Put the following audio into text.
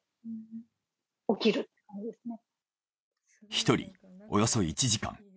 １人およそ１時間。